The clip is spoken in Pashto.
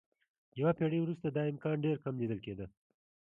یوه پېړۍ وروسته دا امکان ډېر کم لیدل کېده.